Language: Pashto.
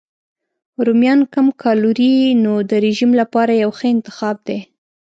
رومیان کم کالوري نو د رژیم لپاره یو ښه انتخاب دی.